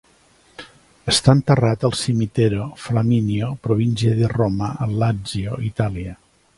Està enterrat al Cimitero Flaminio, Provincia di Roma, al Lazio, Itàlia.